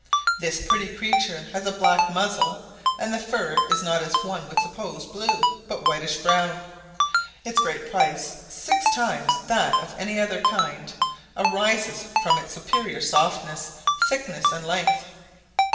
This pretty creature has a black muzzle, and the fur is not as one would suppose blue, but whitish brown; its great price six times that of any other kind arises from its superior softness, thickness, and length.